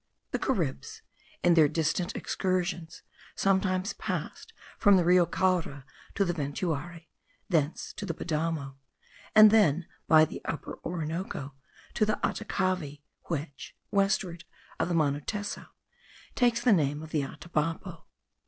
The Caribs in their distant excursions sometimes passed from the Rio Caura to the Ventuari, thence to the Padamo, and then by the Upper Orinoco to the Atacavi, which, westward of Manuteso, takes the name of the Atabapo.)